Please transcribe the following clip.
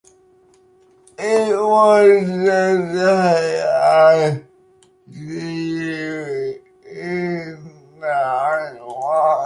It was just, 'Hey, I'll see you in nine months.